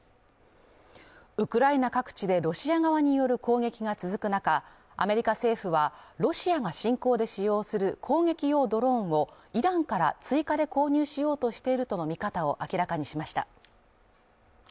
ウクライナ各地でロシア側による攻撃が続く中アメリカ政府はロシアが侵攻で使用する攻撃用ドローンをイランから追加で購入しようとしているとの見方を明らかにしました。